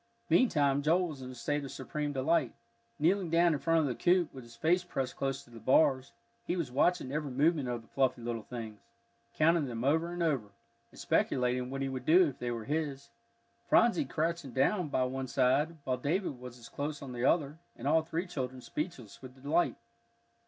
Meantime Joel was in a state of supreme delight. Kneeling down in front of the coop, with his face pressed close to the bars, he was watching every movement of the fluffy little things, counting them over and over, and speculating what he would do if they were his, Phronsie crouching down by one side, while David was as close on the other, and all three children speechless with delight.